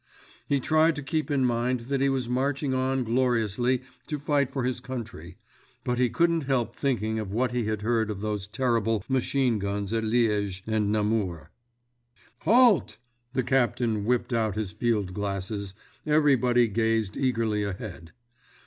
He tried to keep in mind that he was marching on gloriously to fight for his country; but he couldn't help thinking of what he had heard of those terrible machine guns at Liége and Namur. Halt! The captain whipped out his field glasses—everybody gazed eagerly ahead.